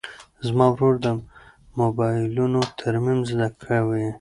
زما ورور د موبایلونو ترمیم زده کوي.